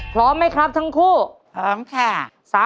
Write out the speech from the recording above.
พร้อมไหมครับทั้งคู่พร้อมค่ะ